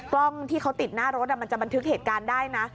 กล้องที่เขาติดหน้ารถมันจะบันทึกเหตุการณ์ได้นะ